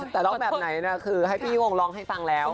แต่ร้องแบบไหนคือให้พี่ประกาศให้ร้องให้ต่างแล้ว